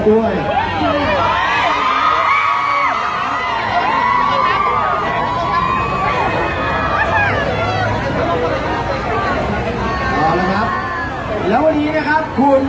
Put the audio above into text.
ขอบคุณมากนะคะแล้วก็แถวนี้ยังมีชาติของ